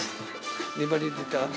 粘り出た？